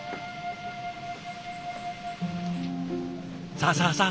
さあさあさあ